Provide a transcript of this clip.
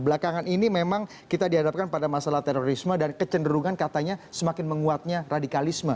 belakangan ini memang kita dihadapkan pada masalah terorisme dan kecenderungan katanya semakin menguatnya radikalisme